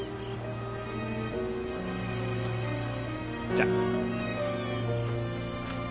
じゃあ。